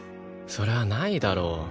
それはないだろ。